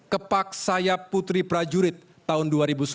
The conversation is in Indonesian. kepak sayap putri prajurit tahun dua ribu sembilan